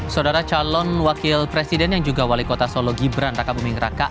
saudara calon wakil presiden yang juga wali kota solo gibran raka buming raka